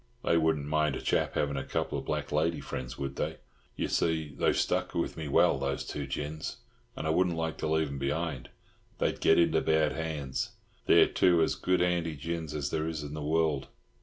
"They wouldn't mind a chap havin' a couple of black lady friends, would they? Yer see, they've stuck with me well, those two gins, and I wouldn't like to leave 'em behind. They'd get into bad hands. They're two as good handy gins as there is in the world.